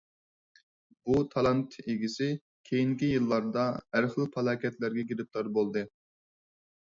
بۇ تالانت ئىگىسى كېيىنكى يىللاردا ھەر خىل پالاكەتلەرگە گىرىپتار بولدى.